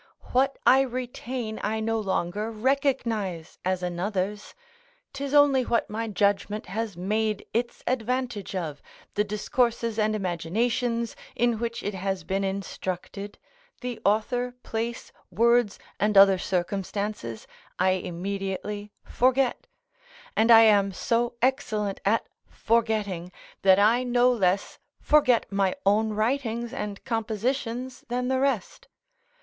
What I retain I no longer recognise as another's; 'tis only what my judgment has made its advantage of, the discourses and imaginations in which it has been instructed: the author, place, words, and other circumstances, I immediately forget; and I am so excellent at forgetting, that I no less forget my own writings and compositions than the rest.